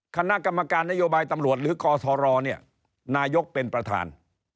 คณะกรรมการนโยบายตำรวจหรือกทรนายกเป็นประธาน